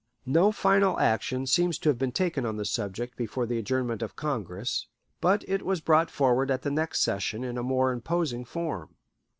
No final action seems to have been taken on the subject before the adjournment of Congress, but it was brought forward at the next session in a more imposing form.